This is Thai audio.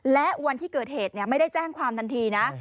และวันที่เกิดเหตุไม่ได้แจ้งความทันทีนะ